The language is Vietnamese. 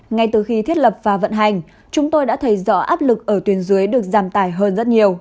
ngay từ khi thiết lập và vận hành chúng tôi đã thấy rõ áp lực ở tuyến dưới được giảm tải hơn rất nhiều